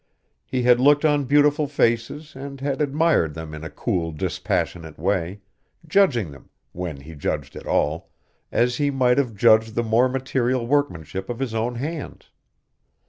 He had looked on beautiful faces and had admired them in a cool, dispassionate way, judging them when he judged at all as he might have judged the more material workmanship of his own hands.